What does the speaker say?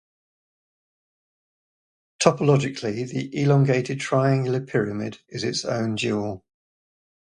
Topologically, the elongated triangular pyramid is its own dual.